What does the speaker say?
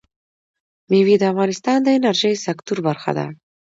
مېوې د افغانستان د انرژۍ سکتور برخه ده.